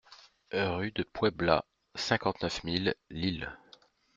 RUE DE PUEBLA, cinquante-neuf mille Lille